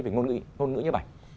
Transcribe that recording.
về ngôn ngữ như vậy